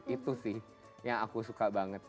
itu sih yang aku suka banget